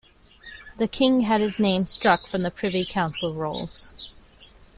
The king had his name struck from the Privy Council rolls.